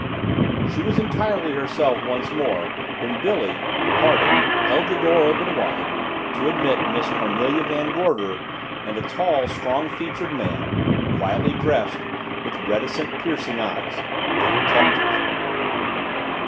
She was entirely herself once more when Billy, departing, held the door open wide to admit Miss Cornelia Van Gorder and a tall, strong featured man, quietly dressed, with reticent, piercing eyes the detective!